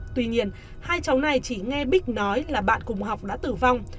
tuy nhiên hai cháu này chỉ nghe bích nói là bạn cùng học đã tử vong